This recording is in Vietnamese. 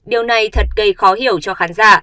điều này thật gây khó hiểu cho khán giả